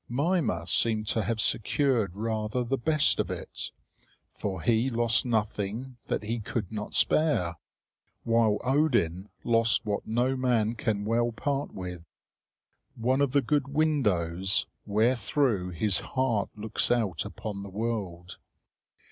Mimer seemed to have secured rather the best of it; for he lost nothing that he could not spare, while Odin lost what no man can well part with one of the good windows wherethrough his heart looks out upon the world.